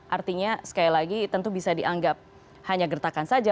artinya sekali lagi tentu bisa dianggap hanya gertakan saja